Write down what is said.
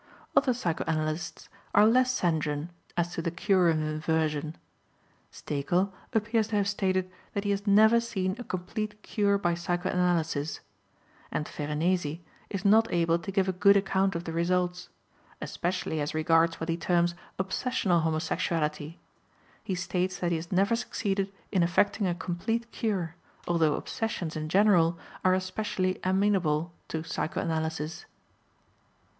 Other psychoanalysts are less sanguine as to the cure of inversion. Stekel appears to have stated that he has never seen a complete cure by psychoanalysis, and Ferenezi is not able to give a good account of the results; especially as regards what he terms obsessional homosexuality, he states that he has never succeeded in effecting a complete cure, although obsessions in general are especially amenable to psychoanalysis.